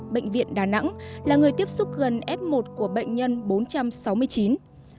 bệnh viện đà nẵng là người tiếp xúc gần f một của bệnh nhân bốn trăm sáu mươi chín